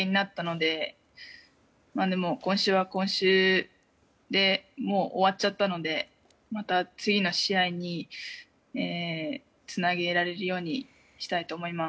でも、今週は今週でもう終わっちゃったのでまた次の試合につなげられるようにしたいと思います。